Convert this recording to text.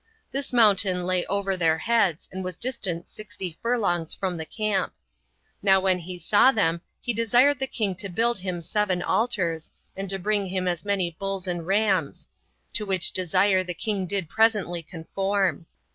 This mountain lay over their heads, and was distant sixty furlongs from the camp. Now when he saw them, he desired the king to build him seven altars, and to bring him as many bulls and rams; to which desire the king did presently conform.